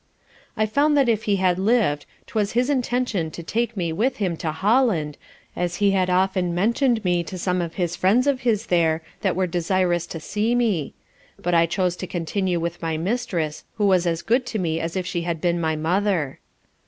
I found that if he had lived 'twas his intention to take me with him to Holland, as he had often mention'd me to some friends of his there that were desirous to see me; but I chose to continue with my Mistress who was as good to me as if she had been my mother.